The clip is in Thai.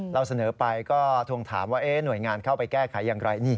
เราเสนอไปก็ทวงถามว่าหน่วยงานเข้าไปแก้ไขอย่างไร